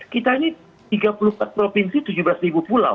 kita ini tiga puluh empat provinsi tujuh belas ribu pulau